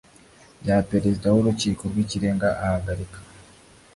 bya Perezida w Urukiko rw Ikirenga ahagarika